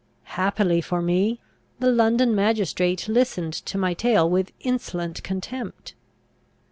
Happily for me, the London magistrate listened to my tale with insolent contempt.